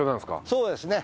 そうですね。